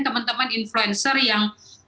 teman teman influencer yang